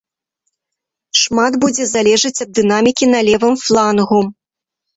Шмат будзе залежыць ад дынамікі на левым флангу.